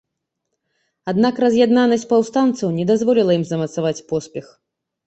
Аднак раз'яднанасць паўстанцаў не дазволіла ім замацаваць поспех.